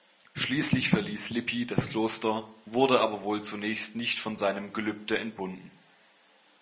Schließlich verließ Lippi das Kloster, wurde aber wohl zunächst nicht von seinem Gelübde entbunden.